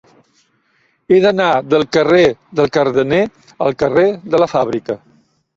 He d'anar del carrer del Cardener al carrer de la Fàbrica.